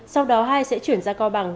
sau đó hai sẽ chuyển ra co bằng